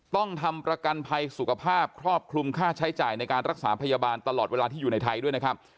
ต้องทำประกันภัยสุขภาพครอบคลุมค่าใช้จ่ายในการรักษาพยาบาลตลอดเวลาที่อยู่ในไทยด้วยนะครับ